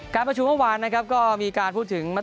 การประชุมเมื่อวานนะครับก็มีการพูดถึง